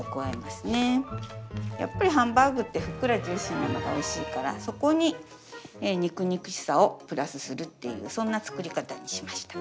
やっぱりハンバーグってふっくらジューシーなのがおいしいからそこに肉肉しさをプラスするっていうそんな作り方にしました。